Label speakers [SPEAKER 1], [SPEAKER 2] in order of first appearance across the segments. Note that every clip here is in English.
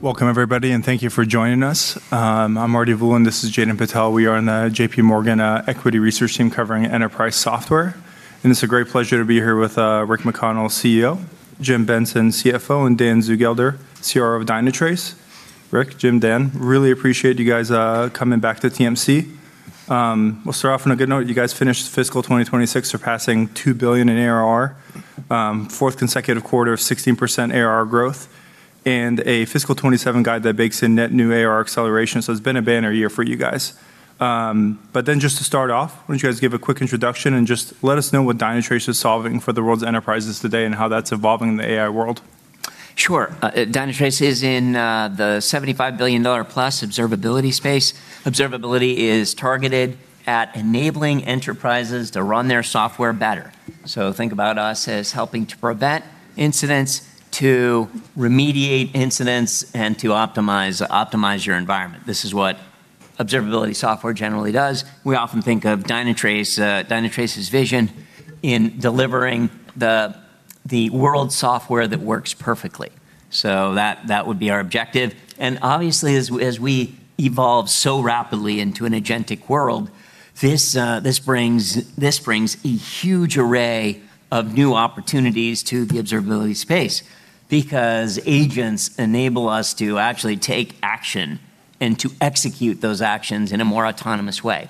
[SPEAKER 1] Welcome everybody, and thank you for joining us. I'm Arti Vula, and this is Jaiden Patel. We are on the JPMorgan equity research team covering enterprise software. It's a great pleasure to be here with Rick McConnell, CEO, Jim Benson, CFO, and Dan Zugelder, CRO of Dynatrace. Rick, Jim, Dan, really appreciate you guys coming back to TMC. We'll start off on a good note. You guys finished fiscal 2026 surpassing $2 billion in ARR, fourth consecutive quarter of 16% ARR growth, and a fiscal 2027 guide that bakes in net new ARR acceleration. It's been a banner year for you guys. Just to start off, why don't you guys give a quick introduction and just let us know what Dynatrace is solving for the world's enterprises today and how that's evolving in the AI world.
[SPEAKER 2] Sure. Dynatrace is in the $75+ billion observability space. Observability is targeted at enabling enterprises to run their software better. Think about us as helping to prevent incidents, to remediate incidents, and to optimize your environment. This is what observability software generally does. We often think of Dynatrace's vision in delivering the world software that works perfectly. That would be our objective. Obviously, as we evolve so rapidly into an agentic world, this brings a huge array of new opportunities to the observability space because agents enable us to actually take action and to execute those actions in a more autonomous way.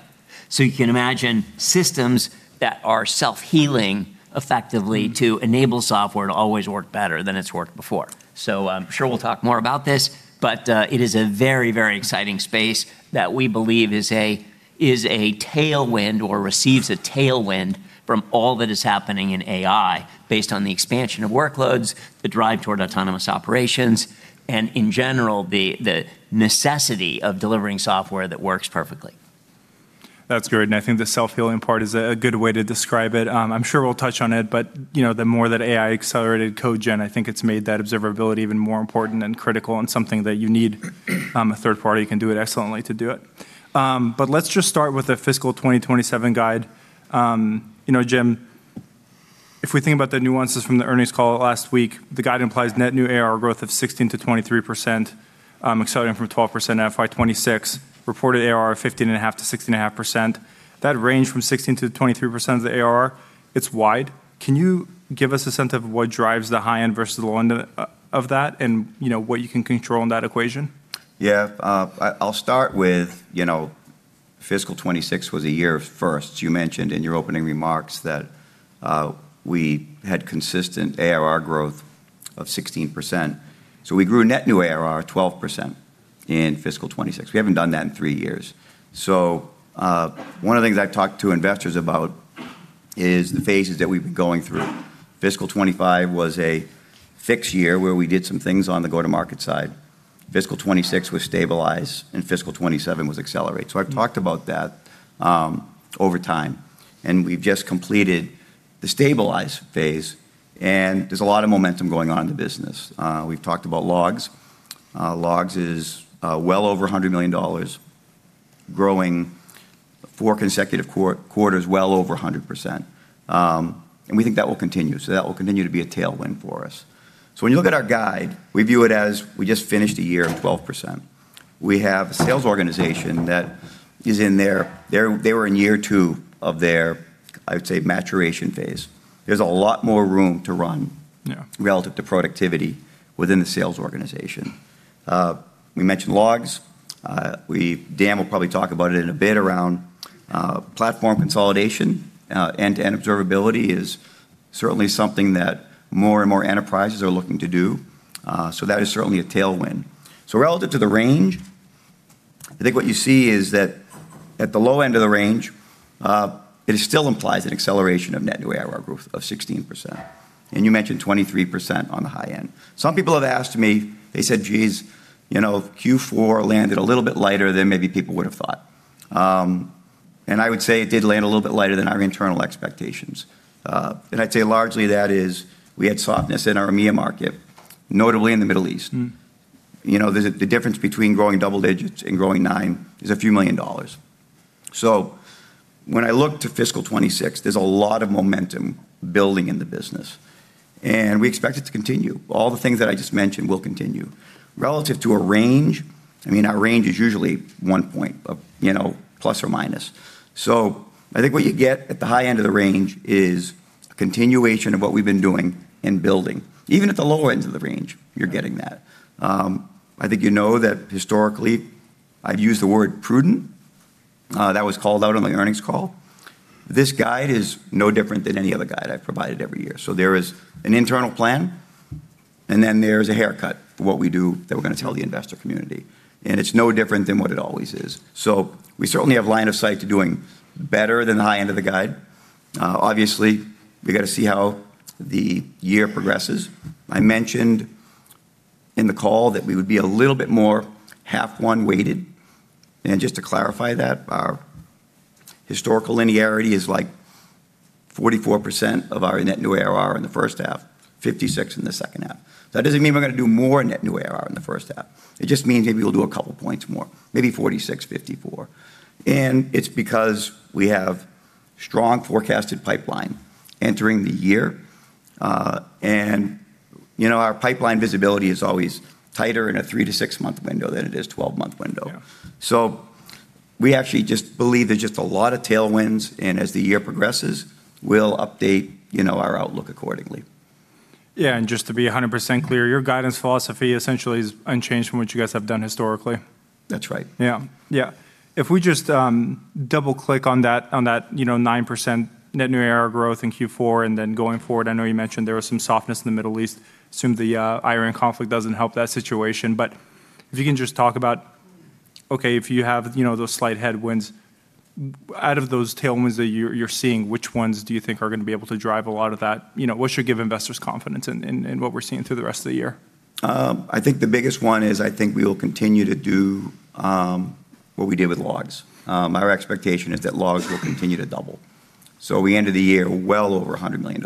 [SPEAKER 2] You can imagine systems that are self-healing effectively to enable software to always work better than it's worked before. I'm sure we'll talk more about this, but it is a very, very exciting space that we believe is a tailwind or receives a tailwind from all that is happening in AI based on the expansion of workloads, the drive toward autonomous operations, and in general, the necessity of delivering software that works perfectly.
[SPEAKER 1] That's great. I think the self-healing part is a good way to describe it. I'm sure we'll touch on it. You know, the more that AI-accelerated code gen, I think it's made that observability even more important and critical and something that you need, a third-party can do it excellently to do it. Let's just start with the fiscal 2027 guide. You know, Jim, if we think about the nuances from the earnings call last week, the guide implies net new ARR growth of 16%-23%, accelerating from 12% FY 2026, reported ARR of 15.5%-16.5%. That range from 16%-23% of the ARR, it's wide. Can you give us a sense of what drives the high end versus the low end of that and, you know, what you can control in that equation?
[SPEAKER 3] Yeah. I'll start with, you know, fiscal 2026 was a year of firsts. You mentioned in your opening remarks that, we had consistent ARR growth of 16%. We grew net new ARR 12% in fiscal 2026. We haven't done that in three years. One of the things I've talked to investors about is the phases that we've been going through. Fiscal 2025 was a fix year where we did some things on the go-to-market side. Fiscal 2026 was stabilize, and fiscal 2027 was accelerate. I've talked about that over time, and we've just completed the stabilize phase, and there's a lot of momentum going on in the business. We've talked about logs. Logs is well over $100 million, growing four consecutive quarters well over 100%. We think that will continue, so that will continue to be a tailwind for us. When you look at our guide, we view it as we just finished a year of 12%. We have a sales organization that is in year two of their, I would say, maturation phase. There's a lot more room to run—
[SPEAKER 1] Yeah.
[SPEAKER 3] —relative to productivity within the sales organization. We mentioned logs. Dan will probably talk about it in a bit around platform consolidation. End-to-end observability is certainly something that more and more enterprises are looking to do. That is certainly a tailwind. Relative to the range, I think what you see is that at the low end of the range, it still implies an acceleration of net new ARR growth of 16%, and you mentioned 23% on the high end. Some people have asked me, they said, "Geez, you know, Q4 landed a little bit lighter than maybe people would have thought." I would say it did land a little bit lighter than our internal expectations. I'd say largely that is we had softness in our EMEA market, notably in the Middle East. You know, the difference between growing double-digits and growing nine is a few million dollars. When I look to fiscal 2026, there's a lot of momentum building in the business, and we expect it to continue. All the things that I just mentioned will continue. Relative to a range, I mean, our range is usually 1 point of, you know, plus or minus. I think what you get at the high end of the range is a continuation of what we've been doing in building. Even at the lower ends of the range, you're getting that. I think you know that historically I've used the word prudent. That was called out on the earnings call. This guide is no different than any other guide I've provided every year. There is an internal plan, and then there's a haircut for what we do that we're gonna tell the investor community, and it's no different than what it always is. Obviously, we gotta see how the year progresses. I mentioned in the call that we would be a little bit more half one weighted. Just to clarify that, our historical linearity is like 44% of our net new ARR in the first half, 56% in the second half. That doesn't mean we're gonna do more net new ARR in the first half. It just means maybe we'll do a couple points more, maybe 46%, 54%. It's because we have strong forecasted pipeline entering the year. You know, our pipeline visibility is always tighter in a three to six-month window than it is 12-month window.
[SPEAKER 1] Yeah.
[SPEAKER 3] We actually just believe there's just a lot of tailwinds, and as the year progresses, we'll update, you know, our outlook accordingly.
[SPEAKER 1] Yeah, just to be 100% clear, your guidance philosophy essentially is unchanged from what you guys have done historically?
[SPEAKER 3] That's right.
[SPEAKER 1] Yeah. Yeah. If we just double-click on that, you know, 9% net new ARR growth in Q4, and then going forward, I know you mentioned there was some softness in the Middle East. Assume the Iran conflict doesn't help that situation. If you can just talk about, okay, if you have, you know, those slight headwinds, out of those tailwinds that you're seeing, which ones do you think are gonna be able to drive a lot of that? You know, what should give investors confidence in what we're seeing through the rest of the year?
[SPEAKER 3] I think the biggest one is I think we will continue to do what we did with logs. Our expectation is that logs will continue to double. We ended the year well over $100 million.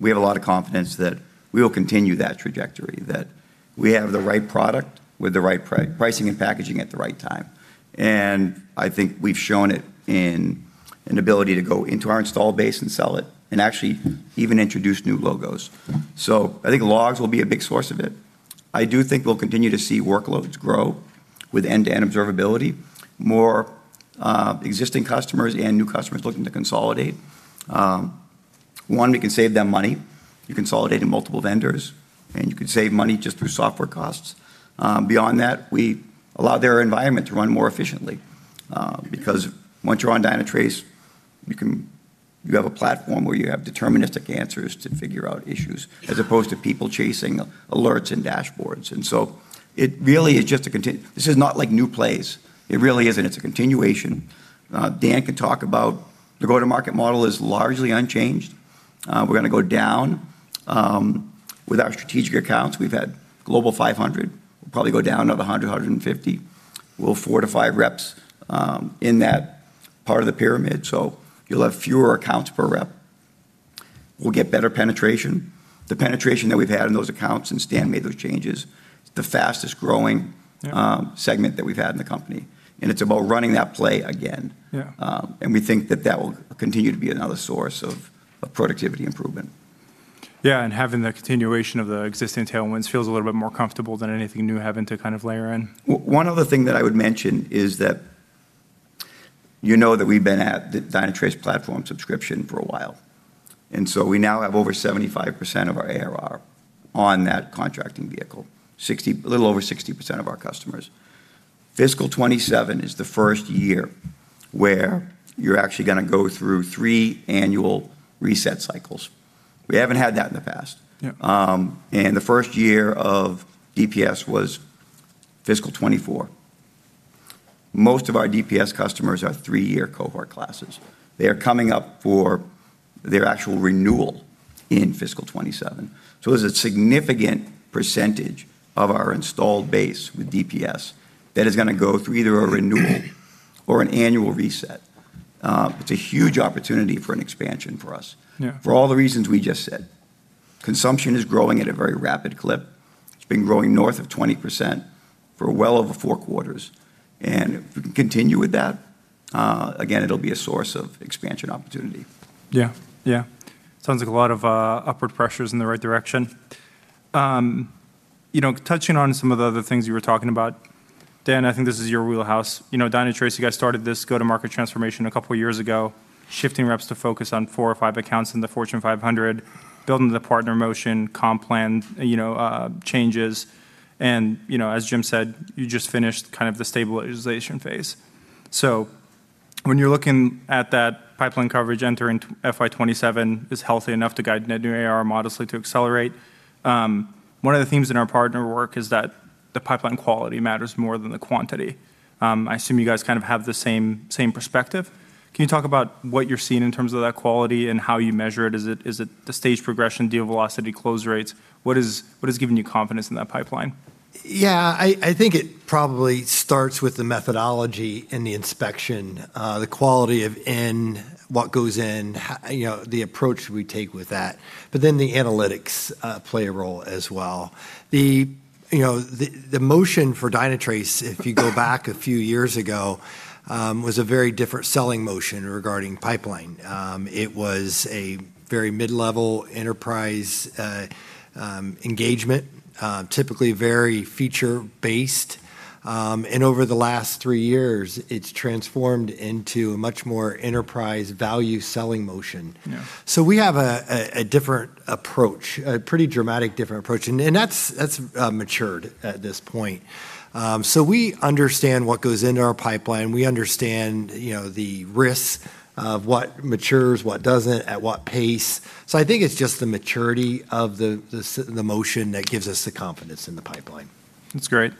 [SPEAKER 3] We have a lot of confidence that we will continue that trajectory, that we have the right product with the right pricing and packaging at the right time. I think we've shown it in an ability to go into our install base and sell it, and actually even introduce new logos. I think logs will be a big source of it. I do think we'll continue to see workloads grow with end-to-end observability. More existing customers and new customers looking to consolidate. One, we can save them money. You're consolidating multiple vendors, and you can save money just through software costs. Beyond that, we allow their environment to run more efficiently, because once you're on Dynatrace, you have a platform where you have deterministic answers to figure out issues, as opposed to people chasing alerts and dashboards. It really is just a continuation. This is not like new plays. It really isn't. It's a continuation. Dan can talk about the go-to-market model is largely unchanged. We're gonna go down with our strategic accounts. We've had Fortune Global 500. We'll probably go down another 100, 150. We'll four to five reps in that part of the pyramid. You'll have fewer accounts per rep. We'll get better penetration. The penetration that we've had in those accounts since Dan made those changes, it's the fastest growing—
[SPEAKER 1] Yeah.
[SPEAKER 3] —segment that we've had in the company, and it's about running that play again.
[SPEAKER 1] Yeah.
[SPEAKER 3] We think that that will continue to be another source of productivity improvement.
[SPEAKER 1] Yeah, having the continuation of the existing tailwinds feels a little bit more comfortable than anything new having to kind of layer in.
[SPEAKER 3] One other thing that I would mention is that, you know, that we've been at the Dynatrace Platform Subscription for a while. We now have over 75% of our ARR on that contracting vehicle. A little over 60% of our customers. Fiscal 2027 is the first year where you're actually gonna go through three annual reset cycles. We haven't had that in the past.
[SPEAKER 1] Yeah.
[SPEAKER 3] The first year of DPS was fiscal 2024. Most of our DPS customers are three-year cohort classes. They are coming up for their actual renewal in fiscal 2027. There's a significant percentage of our installed base with DPS that is gonna go through either a renewal or an annual reset. It's a huge opportunity for an expansion for us—
[SPEAKER 1] Yeah.
[SPEAKER 3] —for all the reasons we just said. Consumption is growing at a very rapid clip. It's been growing north of 20% for well over four quarters. If we can continue with that, again, it'll be a source of expansion opportunity.
[SPEAKER 1] Yeah. Yeah. Sounds like a lot of upward pressures in the right direction. You know, touching on some of the other things you were talking about, Dan, I think this is your wheelhouse. You know, Dynatrace, you guys started this go-to-market transformation a couple years ago, shifting reps to focus on four or five accounts in the Fortune 500, building the partner motion, comp plan, you know, changes. You know, as Jim said, you just finished kind of the stabilization phase. When you're looking at that pipeline coverage entering FY 2027 is healthy enough to guide net new ARR modestly to accelerate, one of the themes in our partner work is that the pipeline quality matters more than the quantity. I assume you guys kind of have the same perspective. Can you talk about what you're seeing in terms of that quality and how you measure it? Is it the stage progression, deal velocity, close rates? What is giving you confidence in that pipeline?
[SPEAKER 4] Yeah. I think it probably starts with the methodology and the inspection, the quality of what goes in, you know, the approach we take with that. The analytics play a role as well. The, you know, the motion for Dynatrace, if you go back a few years ago, was a very different selling motion regarding pipeline. It was a very mid-level enterprise engagement, typically very feature-based. Over the last three years, it's transformed into a much more enterprise value selling motion.
[SPEAKER 1] Yeah.
[SPEAKER 4] We have a different approach, a pretty dramatic different approach. That's matured at this point. We understand what goes into our pipeline. We understand, you know, the risks of what matures, what doesn't, at what pace. I think it's just the maturity of the motion that gives us the confidence in the pipeline.
[SPEAKER 1] That's great.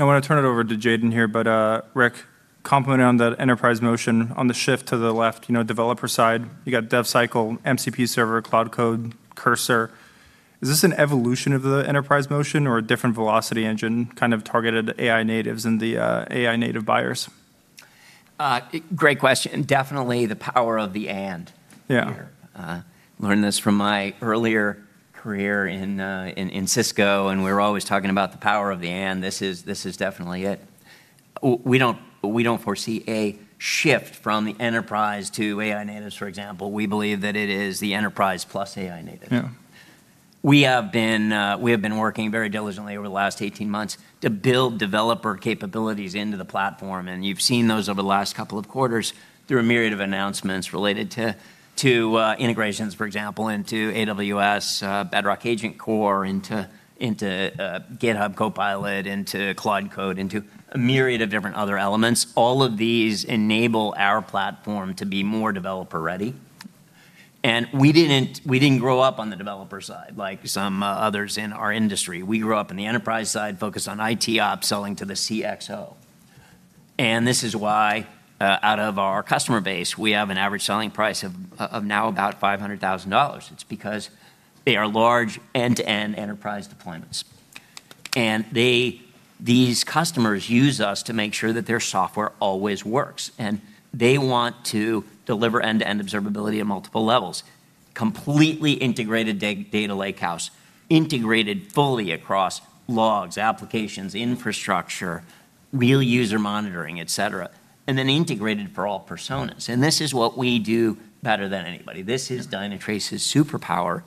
[SPEAKER 1] I wanna turn it over to Jaiden here, but Rick, compliment on the enterprise motion, on the shift to the left, you know, developer side. You got DevCycle, MCP Server, Cloud Code, Cursor. Is this an evolution of the enterprise motion or a different velocity engine kind of targeted AI natives and the AI native buyers?
[SPEAKER 2] Great question. Definitely the power of the "and."
[SPEAKER 1] Yeah.
[SPEAKER 2] Learned this from my earlier career in Cisco, and we're always talking about the power of the "and," this is definitely it. We don't foresee a shift from the enterprise to AI natives, for example. We believe that it is the enterprise plus AI natives.
[SPEAKER 5] Yeah.
[SPEAKER 2] We have been working very diligently over the last 18 months to build developer capabilities into the platform, and you've seen those over the last two quarters through a myriad of announcements related to integrations, for example, into AWS, Bedrock AgentCore, into GitHub Copilot, into Cloud Code, into a myriad of different other elements. All of these enable our platform to be more developer ready. We didn't grow up on the developer side like some others in our industry. We grew up in the enterprise side focused on IT Ops selling to the CXO. This is why, out of our customer base, we have an average selling price of now about $500,000. It's because they are large end-to-end enterprise deployments. These customers use us to make sure that their software always works, and they want to deliver end-to-end observability at multiple levels. Completely integrated data lakehouse, integrated fully across logs, applications, infrastructure, real user monitoring, et cetera, then integrated for all personas. This is what we do better than anybody. This is Dynatrace's superpower.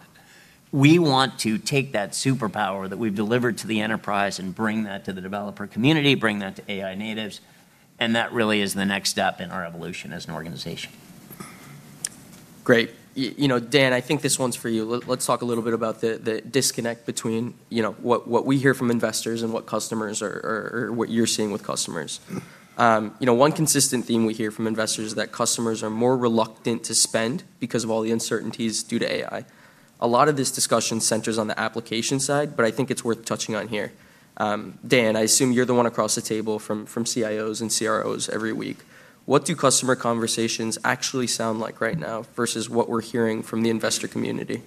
[SPEAKER 2] We want to take that superpower that we've delivered to the enterprise and bring that to the developer community, bring that to AI natives, that really is the next step in our evolution as an organization.
[SPEAKER 5] Great. You know, Dan, I think this one's for you. Let's talk a little bit about the disconnect between, you know, what we hear from investors and what customers or what you're seeing with customers. You know, one consistent theme we hear from investors is that customers are more reluctant to spend because of all the uncertainties due to AI. A lot of this discussion centers on the application side, but I think it's worth touching on here. Dan, I assume you're the one across the table from CIOs and CROs every week. What do customer conversations actually sound like right now versus what we're hearing from the investor community?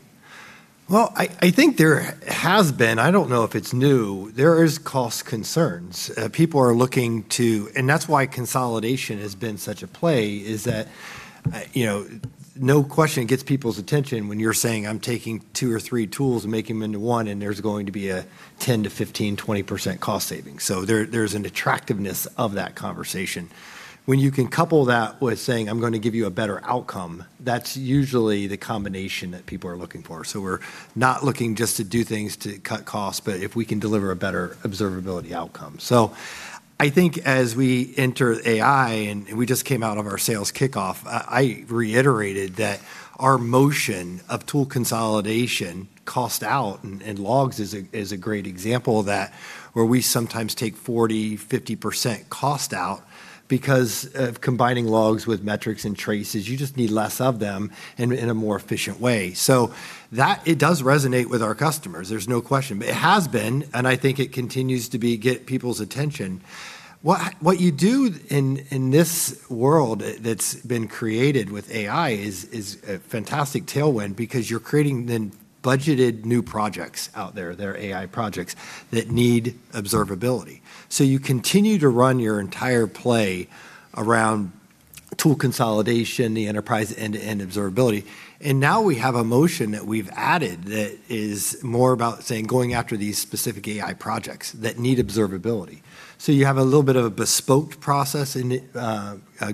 [SPEAKER 4] Well, I think there has been, I don't know if it's new, there is cost concerns. People are looking to That's why consolidation has been such a play, is that, you know, no question it gets people's attention when you're saying, "I'm taking two or three tools and making them into one, and there's going to be a 10% to 15%, 20% cost saving." There's an attractiveness of that conversation. When you can couple that with saying, "I'm gonna give you a better outcome," that's usually the combination that people are looking for. We're not looking just to do things to cut costs, but if we can deliver a better observability outcome. I think as we enter AI, and we just came out of our sales kickoff, I reiterated that our motion of tool consolidation cost out, and logs is a great example of that, where we sometimes take 40%, 50% cost out because of combining logs with metrics and traces. You just need less of them in a more efficient way. That it does resonate with our customers, there's no question. It has been, and I think it continues to get people's attention. What you do in this world that's been created with AI is a fantastic tailwind because you're creating then budgeted new projects out there, they're AI projects, that need observability. You continue to run your entire play around tool consolidation, the enterprise end-to-end observability, and now we have a motion that we've added that is more about saying going after these specific AI projects that need observability. You have a little bit of a bespoke process in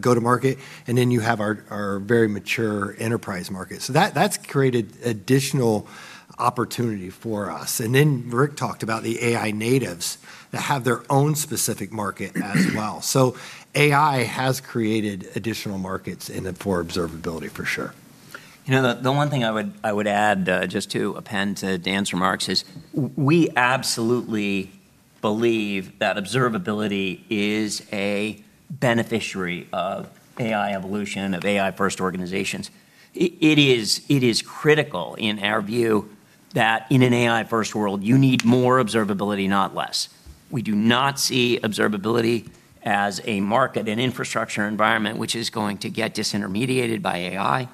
[SPEAKER 4] go to market, and then you have our very mature enterprise market. That's created additional opportunity for us. Rick talked about the AI natives that have their own specific market as well. AI has created additional markets in it for observability for sure.
[SPEAKER 2] You know, the one thing I would add, just to append to Dan's remarks is we absolutely believe that observability is a beneficiary of AI evolution, of AI first organizations. It is critical in our view that in an AI first world you need more observability, not less. We do not see observability as a market and infrastructure environment which is going to get disintermediated by AI.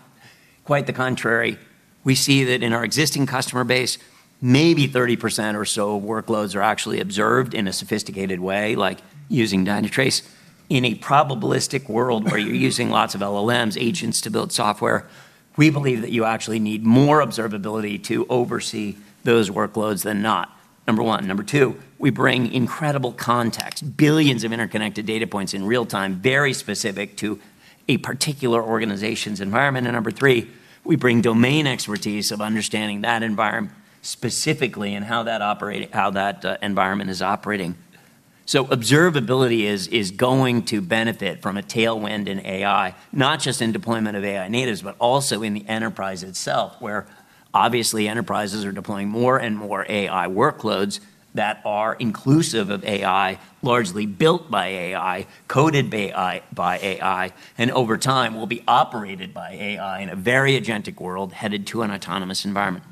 [SPEAKER 2] Quite the contrary. We see that in our existing customer base, maybe 30% or so of workloads are actually observed in a sophisticated way, like using Dynatrace. In a probabilistic world where you're using lots of LLMs, agents to build software, we believe that you actually need more observability to oversee those workloads than not, number one. Number two, we bring incredible context, billions of interconnected data points in real time, very specific to a particular organization's environment. Number three, we bring domain expertise of understanding that environment specifically and how that environment is operating. Observability is going to benefit from a tailwind in AI, not just in deployment of AI natives, but also in the enterprise itself, where obviously enterprises are deploying more and more AI workloads that are inclusive of AI, largely built by AI, coded by AI, and over time will be operated by AI in a very agentic world headed to an autonomous environment.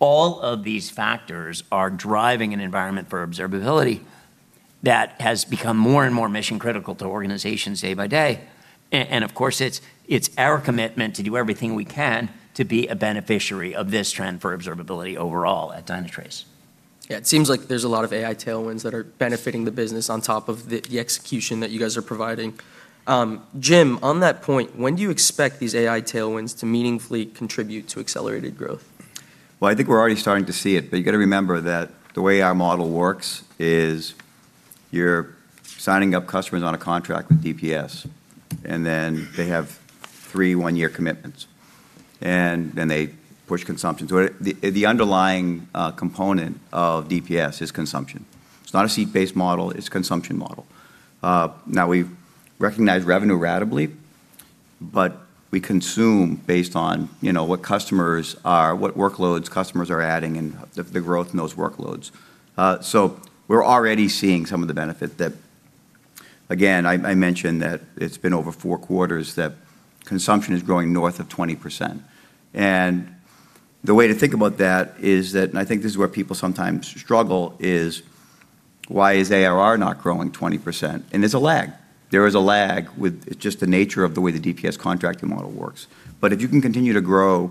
[SPEAKER 2] All of these factors are driving an environment for observability that has become more and more mission critical to organizations day by day. Of course it's our commitment to do everything we can to be a beneficiary of this trend for observability overall at Dynatrace.
[SPEAKER 5] Yeah, it seems like there's a lot of AI tailwinds that are benefiting the business on top of the execution that you guys are providing. Jim, on that point, when do you expect these AI tailwinds to meaningfully contribute to accelerated growth?
[SPEAKER 3] I think we're already starting to see it, but you gotta remember that the way our model works is you're signing up customers on a contract with DPS, and then they have three one-year commitments, and then they push consumption to it. The underlying component of DPS is consumption. It's not a seat-based model, it's a consumption model. Now we recognize revenue ratably, but we consume based on, you know, what customers are, what workloads customers are adding and the growth in those workloads. We're already seeing some of the benefit that, again, I mentioned that it's been over four quarters that consumption is growing north of 20%. The way to think about that is that, and I think this is where people sometimes struggle, is why is ARR not growing 20%? It's a lag. There is a lag with just the nature of the way the DPS contracting model works. If you can continue to grow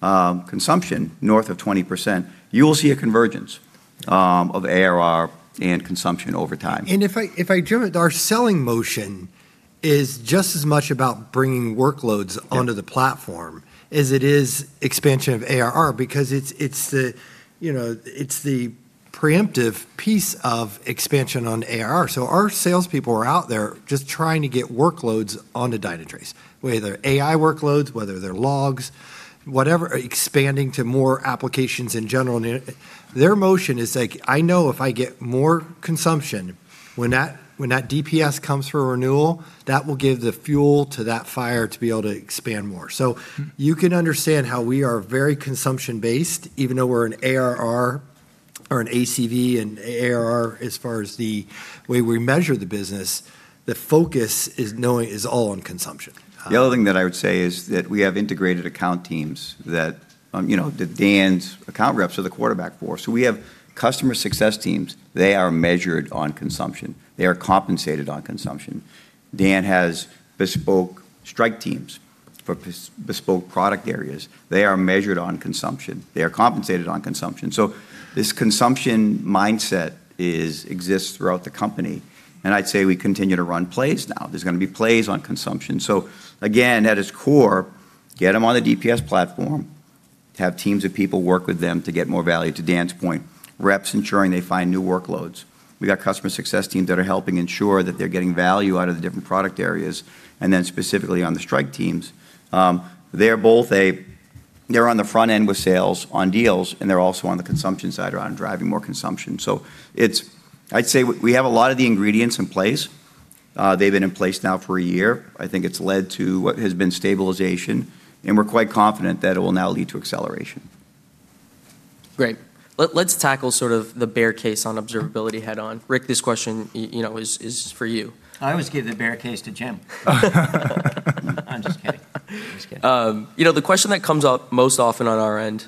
[SPEAKER 3] consumption north of 20%, you will see a convergence of ARR and consumption over time.
[SPEAKER 4] If I Jim, our selling motion is just as much about bringing workloads onto the platform as it is expansion of ARR because it's the, you know, it's the preemptive piece of expansion on ARR. Our salespeople are out there just trying to get workloads onto Dynatrace, whether AI workloads, whether they're logs, whatever, expanding to more applications in general. Their motion is like, "I know if I get more consumption, when that, when that DPS comes for renewal, that will give the fuel to that fire to be able to expand more." You can understand how we are very consumption-based, even though we're an ARR or an ACV and ARR as far as the way we measure the business. The focus is knowing is all on consumption.
[SPEAKER 3] The other thing that I would say is that we have integrated account teams that, you know, that Dan's account reps are the quarterback for. We have customer success teams. They are measured on consumption. They are compensated on consumption. Dan has bespoke strike teams for bespoke product areas. They are measured on consumption. They are compensated on consumption. This consumption mindset is, exists throughout the company, and I'd say we continue to run plays now. There's gonna be plays on consumption. Again, at its core, get them on the DPS platform. Have teams of people work with them to get more value, to Dan's point, reps ensuring they find new workloads. We got customer success teams that are helping ensure that they're getting value out of the different product areas, and then specifically on the strike teams. They're on the front end with sales on deals, and they're also on the consumption side around driving more consumption. I'd say we have a lot of the ingredients in place. They've been in place now for a year. I think it's led to what has been stabilization, and we're quite confident that it will now lead to acceleration.
[SPEAKER 5] Great. Let's tackle sort of the bear case on observability head-on. Rick, this question, you know, is for you.
[SPEAKER 2] I always give the bear case to Jim. I'm just kidding. Just kidding.
[SPEAKER 5] You know, the question that comes up most often on our end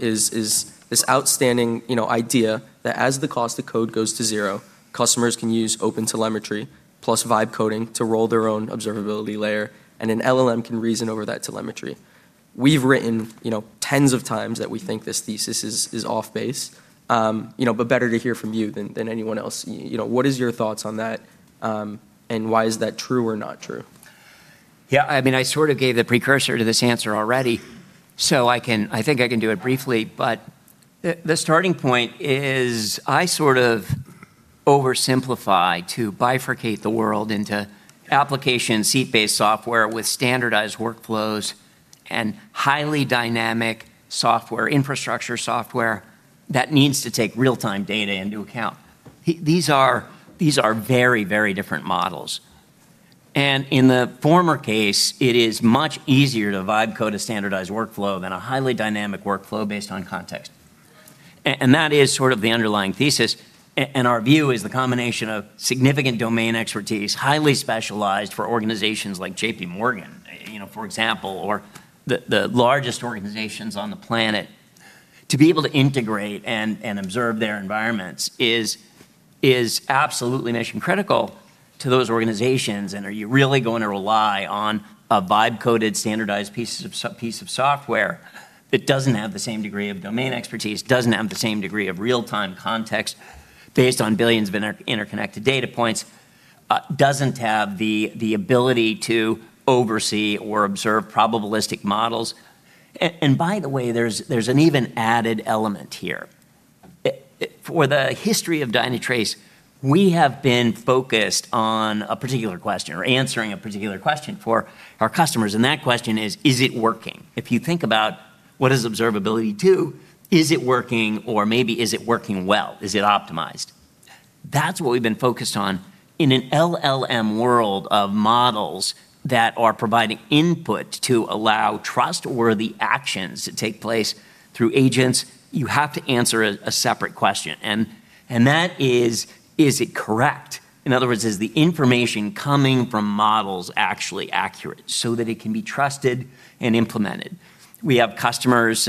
[SPEAKER 5] is this outstanding, you know, idea that as the cost of code goes to zero, customers can use OpenTelemetry plus vibe coding to roll their own observability layer, and an LLM can reason over that telemetry. We've written, you know, tens of times that we think this thesis is off base. You know, better to hear from you than anyone else. You know, what is your thoughts on that, why is that true or not true? Yeah, I mean, I sort of gave the precursor to this answer already, so I think I can do it briefly. The starting point is I sort of oversimplify to bifurcate the world into application seat-based software with standardized workflows and highly dynamic software, infrastructure software that needs to take real-time data into account. These are very different models. In the former case, it is much easier to vibe code a standardized workflow than a highly dynamic workflow based on context. That is sort of the underlying thesis. Our view is the combination of significant domain expertise, highly specialized for organizations like JPMorgan, you know, for example, or the largest organizations on the planet, to be able to integrate and observe their environments is absolutely mission critical to those organizations.
[SPEAKER 2] Are you really going to rely on a vibe-coded standardized piece of software that doesn't have the same degree of domain expertise, doesn't have the same degree of real-time context based on billions of interconnected data points, doesn't have the ability to oversee or observe probabilistic models? By the way, there's an even added element here. For the history of Dynatrace, we have been focused on a particular question or answering a particular question for our customers, that question is it working? If you think about what does observability do, is it working or maybe is it working well? Is it optimized? That's what we've been focused on. In an LLM world of models that are providing input to allow trustworthy actions to take place through agents, you have to answer a separate question and that is it correct? In other words, is the information coming from models actually accurate so that it can be trusted and implemented? We have customers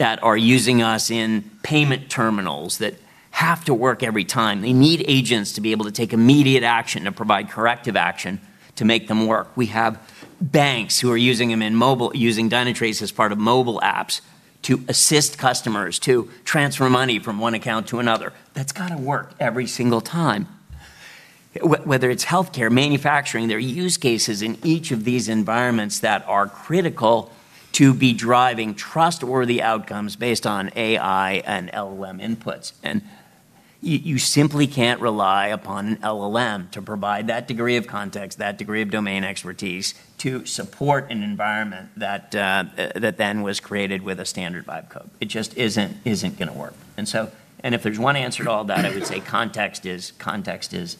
[SPEAKER 2] that are using us in payment terminals that have to work every time. They need agents to be able to take immediate action, to provide corrective action to make them work. We have banks who are using them in mobile, using Dynatrace as part of mobile apps to assist customers to transfer money from one account to another. That's gotta work every single time. Whether it's healthcare, manufacturing, there are use cases in each of these environments that are critical to be driving trustworthy outcomes based on AI and LLM inputs. You, you simply can't rely upon an LLM to provide that degree of context, that degree of domain expertise to support an environment that then was created with a standard vibe code. It just isn't gonna work. If there's one answer to all that, I would say context is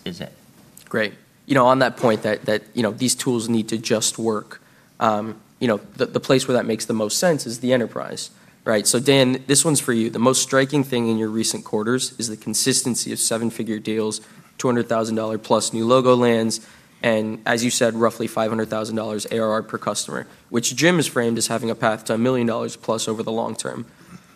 [SPEAKER 2] it.
[SPEAKER 5] Great. You know, on that point that, you know, these tools need to just work, you know, the place where that makes the most sense is the enterprise, right? Dan, this one's for you. The most striking thing in your recent quarters is the consistency of seven-figure deals, $200,000+ new logo lands, and as you said, roughly $500,000 ARR per customer, which Jim has framed as having a path to $1+ million over the long term.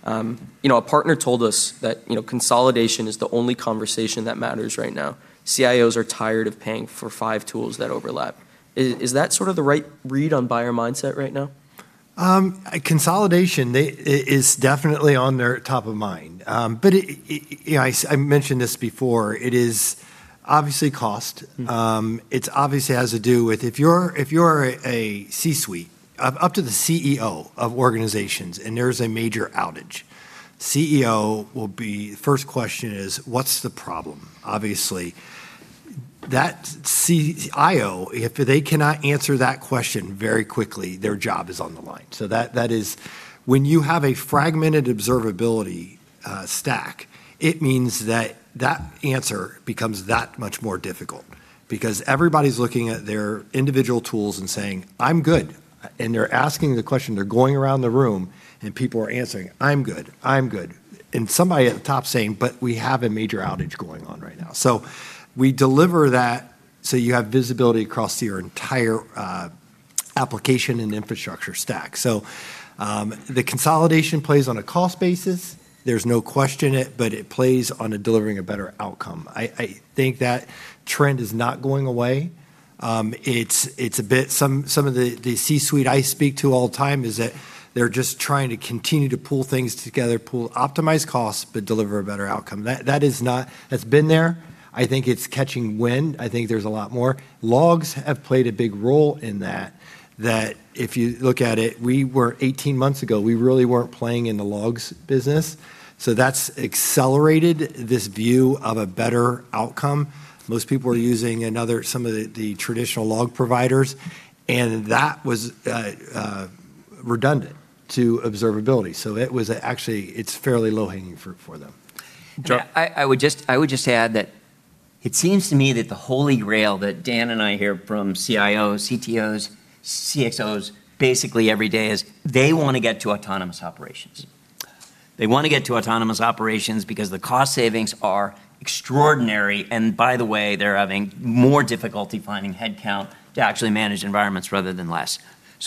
[SPEAKER 5] You know, a partner told us that, you know, consolidation is the only conversation that matters right now. CIOs are tired of paying for five tools that overlap. Is that sort of the right read on buyer mindset right now?
[SPEAKER 4] Consolidation, they is definitely on their top of mind. It, you know, I mentioned this before, it is obviously cost. It's obviously has to do with if you're a C-suite, up to the CEO of organizations, there's a major outage. CEO will be, first question is, "What's the problem?" Obviously. That CIO, if they cannot answer that question very quickly, their job is on the line. That is when you have a fragmented observability stack, it means that answer becomes that much more difficult, because everybody's looking at their individual tools and saying, "I'm good." They're asking the question, they're going around the room, people are answering, "I'm good, I'm good." Somebody at the top saying, "We have a major outage going on right now." We deliver that so you have visibility across your entire application and infrastructure stack. The consolidation plays on a cost basis. There's no question it plays on a delivering a better outcome. I think that trend is not going away. Some of the C-suite I speak to all the time is that they're just trying to continue to pull things together, pull optimized costs, but deliver a better outcome. That's been there. I think it's catching wind. I think there's a lot more. Logs have played a big role in that, if you look at it, we were, 18 months ago, we really weren't playing in the logs business, that's accelerated this view of a better outcome. Most people are using some of the traditional log providers, that was redundant to observability. It was actually, it's fairly low-hanging for them.
[SPEAKER 2] I would just add that it seems to me that the Holy Grail that Dan and I hear from CIOs, CTOs, CXOs, basically every day is they wanna get to autonomous operations. They wanna get to autonomous operations because the cost savings are extraordinary, and by the way, they're having more difficulty finding headcount to actually manage environments rather than less.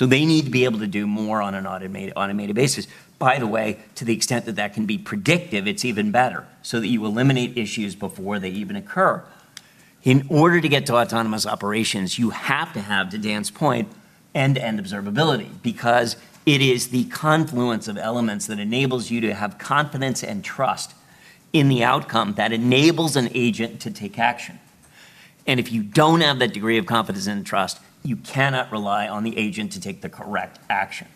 [SPEAKER 2] They need to be able to do more on an automated basis. By the way, to the extent that that can be predictive, it's even better, so that you eliminate issues before they even occur. In order to get to autonomous operations, you have to have, to Dan's point, end-to-end observability, because it is the confluence of elements that enables you to have confidence and trust in the outcome that enables an agent to take action. If you don't have that degree of confidence and trust, you cannot rely on the agent to take the correct action.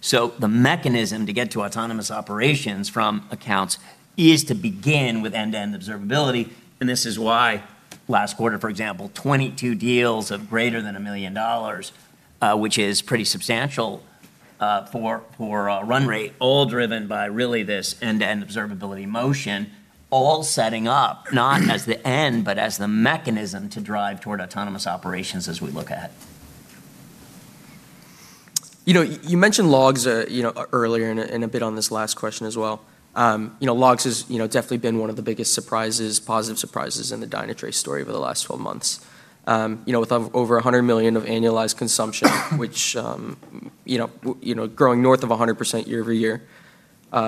[SPEAKER 2] The mechanism to get to autonomous operations from accounts is to begin with end-to-end observability, and this is why last quarter, for example, 22 deals of greater than $1 million, which is pretty substantial for a run rate, all driven by really this end-to-end observability motion, all setting up not as the end, but as the mechanism to drive toward autonomous operations as we look at.
[SPEAKER 5] You know, you mentioned logs, you know, earlier, and a bit on this last question as well. You know, logs has, you know, definitely been one of the biggest surprises, positive surprises in the Dynatrace story over the last 12 months. You know, with over $100 million of annualized consumption, which, you know, growing north of 100% year-over-year.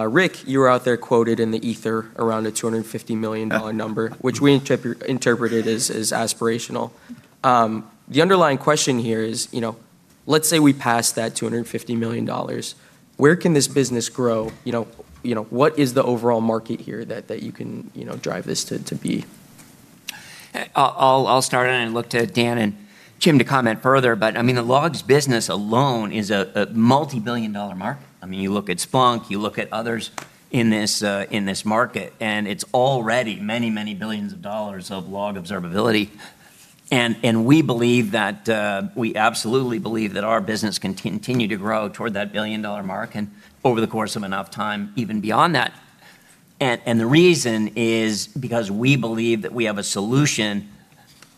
[SPEAKER 5] Rick, you were out there quoted in the ether around a $250 million number, which we interpreted as aspirational. The underlying question here is, you know, let's say we pass that $250 million. Where can this business grow? You know, what is the overall market here that you can, you know, drive this to be?
[SPEAKER 2] I'll start and then look to Dan and Jim to comment further. I mean, the logs business alone is a multi-billion dollar market. I mean, you look at Splunk, you look at others in this market, and it's already many billions of dollars of log observability. We believe that we absolutely believe that our business can continue to grow toward that billion-dollar mark, and over the course of enough time, even beyond that. The reason is because we believe that we have a solution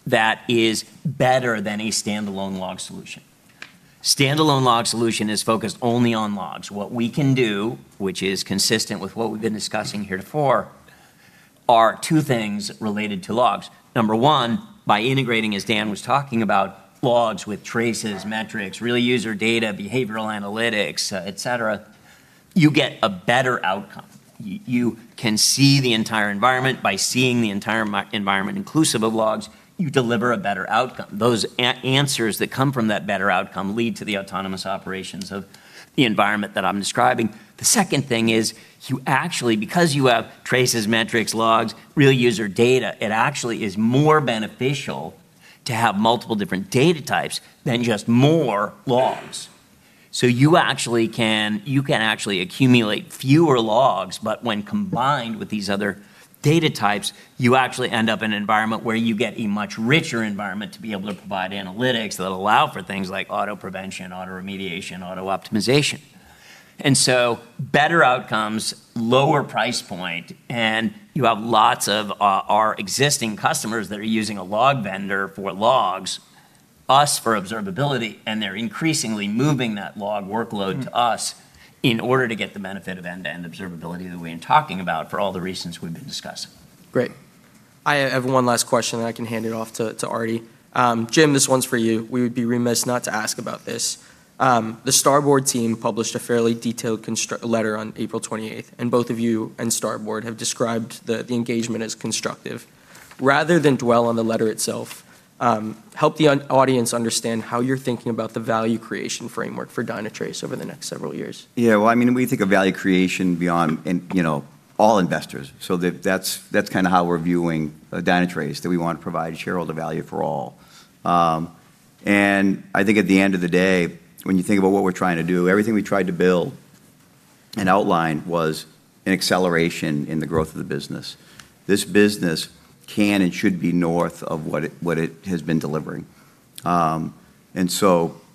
[SPEAKER 2] that is better than a standalone log solution. Standalone log solution is focused only on logs. What we can do, which is consistent with what we've been discussing heretofore, are two things related to logs. Number one, by integrating, as Dan was talking about, logs with traces, metrics, real user data, behavioral analytics, et cetera. You get a better outcome. You can see the entire environment. By seeing the entire environment inclusive of logs, you deliver a better outcome. Those answers that come from that better outcome lead to the autonomous operations of the environment that I'm describing. The second thing is you actually, because you have traces, metrics, logs, real user data, it actually is more beneficial to have multiple different data types than just more logs. You actually can, you can actually accumulate fewer logs, but when combined with these other data types, you actually end up in an environment where you get a much richer environment to be able to provide analytics that allow for things like auto prevention, auto remediation, auto optimization. Better outcomes, lower price point, and you have lots of our existing customers that are using a log vendor for logs, us for observability, and they're increasingly moving that log workload to us in order to get the benefit of end-to-end observability that we've been talking about for all the reasons we've been discussing.
[SPEAKER 5] Great. I have one last question, and I can hand it off to Arti. Jim, this one's for you. We would be remiss not to ask about this. The Starboard team published a fairly detailed letter on April 28th, and both of you and Starboard have described the engagement as constructive. Rather than dwell on the letter itself, help the audience understand how you're thinking about the value creation framework for Dynatrace over the next several years.
[SPEAKER 3] Yeah, well, I mean, we think of value creation beyond and, you know, all investors, so that's, that's kind of how we're viewing Dynatrace, that we want to provide shareholder value for all. I think at the end of the day, when you think about what we're trying to do, everything we tried to build and outline was an acceleration in the growth of the business. This business can and should be north of what it has been delivering.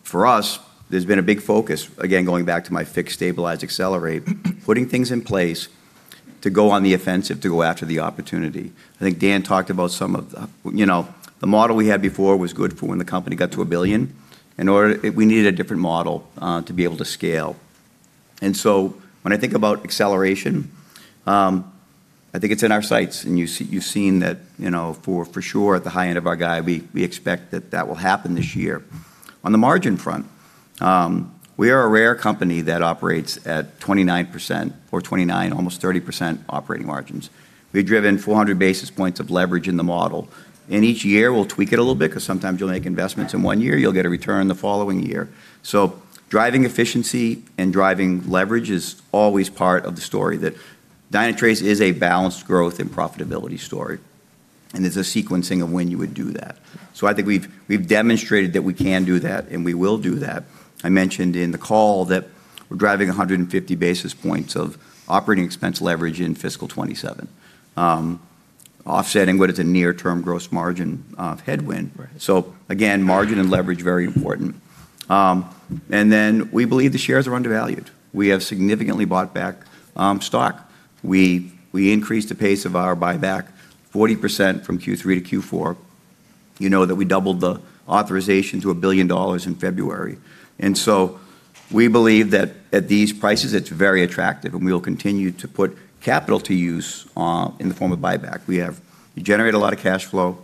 [SPEAKER 3] For us, there's been a big focus, again, going back to my fix, stabilize, accelerate, putting things in place to go on the offensive to go after the opportunity. I think Dan talked about some of the, you know, the model we had before was good for when the company got to $1 billion. In order, we needed a different model to be able to scale. When I think about acceleration, I think it's in our sights, and you've seen that, you know, for sure at the high end of our guide, we expect that that will happen this year. On the margin front, we are a rare company that operates at 29% or 29%, almost 30% operating margins. We've driven 400 basis points of leverage in the model. Each year we'll tweak it a little bit 'cause sometimes you'll make investments in one year, you'll get a return the following year. Driving efficiency and driving leverage is always part of the story, that Dynatrace is a balanced growth and profitability story, and there's a sequencing of when you would do that. I think we've demonstrated that we can do that and we will do that. I mentioned in the call that we're driving 150 basis points of operating expense leverage in fiscal 2027, offsetting what is a near term gross margin headwind. Again, margin and leverage, very important. We believe the shares are undervalued. We have significantly bought back stock. We increased the pace of our buyback 40% from Q3 to Q4. You know that we doubled the authorization to $1 billion in February. We believe that at these prices it's very attractive, and we will continue to put capital to use in the form of buyback. We generate a lot of cash flow.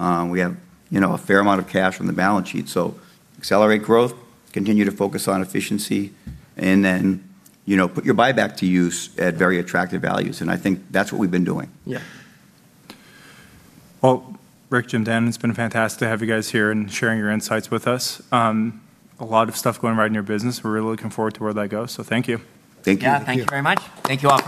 [SPEAKER 3] We have, you know, a fair amount of cash on the balance sheet, so accelerate growth, continue to focus on efficiency, you know, put your buyback to use at very attractive values, and I think that's what we've been doing.
[SPEAKER 1] Yeah. Well, Rick, Jim, Dan, it's been fantastic to have you guys here and sharing your insights with us. A lot of stuff going right in your business. We're really looking forward to where that goes. Thank you.
[SPEAKER 3] Thank you.
[SPEAKER 2] Yeah. Thank you very much. Thank you all.